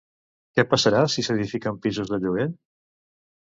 Què passarà si s'edifiquen pisos de lloguer?